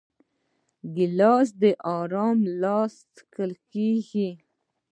ګیلاس د آرام له لاسه څښل کېږي.